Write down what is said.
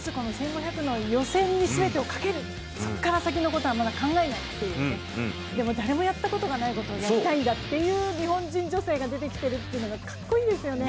１５００の予選にすべてをかける、そこから先はまだ考えない、誰もやったことのないことをやりたいんだという日本人女性が出てきていることがうれしいですよね。